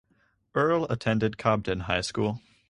Earle attended Cobden High School.